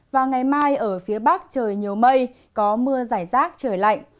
và ngày mai ở phía bắc trời nhiều mây có mưa giải rác trời lạnh